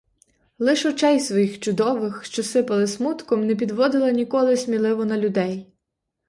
Лиш очей своїх чудових, що сипали смутком, не підводила ніколи сміливо на людей.